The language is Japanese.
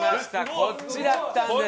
こっちだったんですね。